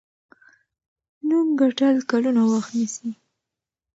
نوم ګټل کلونه وخت نیسي.